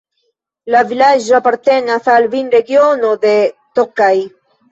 La vilaĝo apartenas al vinregiono de Tokaj.